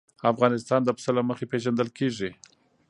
افغانستان د پسه له مخې پېژندل کېږي.